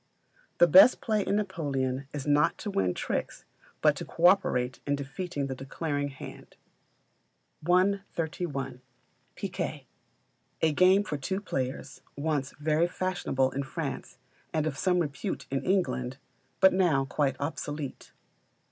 The best play in Napoleon is not to win tricks, but to co operate in defeating the declaring hand. 131. Picquet. A game for two players, once very fashionable in France and of some repute in England; but now quite obsolete.